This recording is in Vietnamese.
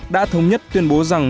đã thống nhất tuyên bố rằng